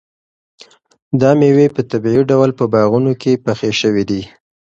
دا مېوې په طبیعي ډول په باغونو کې پخې شوي دي.